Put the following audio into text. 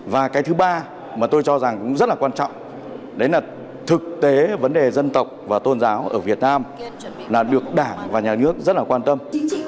và cái thứ ba mà tôi cho rằng cũng rất là quan trọng đấy là thực tế vấn đề dân tộc và tôn giáo ở việt nam là được đảng và nhà nước rất là quan tâm